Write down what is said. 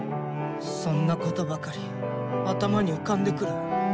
そんなことばかり頭に浮かんでくる。